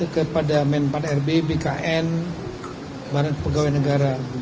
kepada menpan rb bkn barat pegawai negara